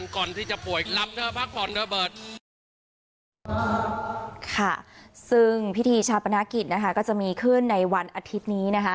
ค่ะซึ่งพิธีชาปนากิจนะคะก็จะมีขึ้นในวันอาทิตย์นี้นะคะ